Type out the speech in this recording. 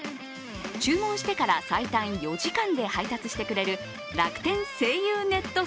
注文してから最短４時間で配達してくれる楽天西友ネット